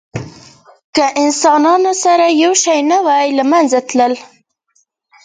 که انسانان سره یو شوي نه وی، له منځه تلل.